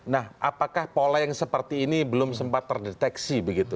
nah apakah pola yang seperti ini belum sempat terdeteksi begitu